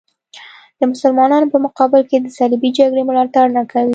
د مسلمانانو په مقابل کې د صلیبي جګړې ملاتړ نه کوي.